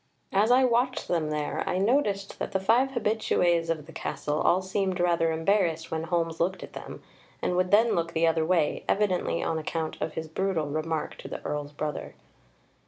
As I watched them there, I noticed that the five habitués of the castle all seemed rather embarrassed when Holmes looked at them, and would then look the other way, evidently on account of his brutal remark to the Earl's brother.